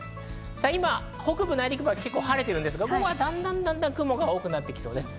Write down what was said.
今、北部、内陸部は晴れているんですが、だんだん雲が多くなってきそうです。